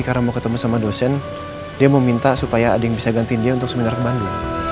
karena mau ketemu sama dosen dia meminta supaya ada yang bisa ganti dia untuk seminar mandi